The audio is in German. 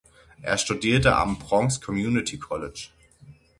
Er studierte am "Bronx Community College".